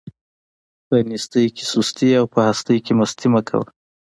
په نيستۍ کې سستي او په هستۍ کې مستي مه کوه.